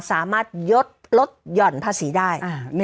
สามารถยดลดหย่อนภาษีได้